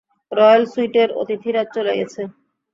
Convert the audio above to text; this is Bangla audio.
রয়েল সুইটের অতিথিরা চলে গেছে?